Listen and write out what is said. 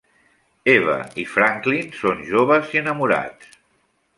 Eva i Franklin són joves i enamorats.